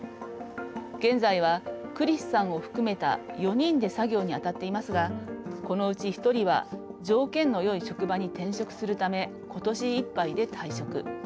現在は、クリスさんを含めた４人で作業にあたっていますがこのうち１人は条件のよい職場に転職するためことしいっぱいで退職。